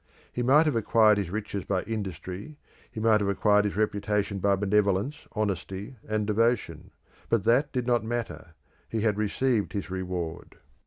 He might have acquired his riches by industry; he might have acquired his reputation by benevolence, honesty, and devotion; but that did not matter; he had received his reward.